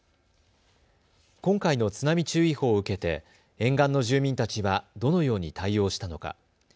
今回の津波注意報を受けて沿岸の住民たちはどのように対応したのか。